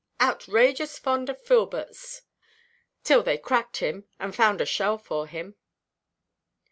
outrageous fond of filberts; till they cracked him, and found a shell for him."